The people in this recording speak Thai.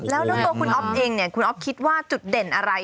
แล้วตัวคุณอ๊อฟเองเนี่ยคุณอ๊อฟคิดว่าจุดเด่นอะไร